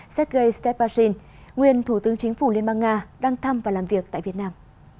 sergei steprazil nguyên thủ tướng chính phủ liên bang nga đang thăm và làm việc tại việt nam